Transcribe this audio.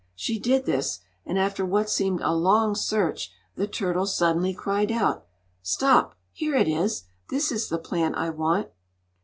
She did this, and after what seemed a long search the turtle suddenly cried out: "Stop! Here it is! This is the plant I want."